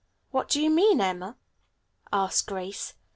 "What do you mean, Emma?" asked Grace.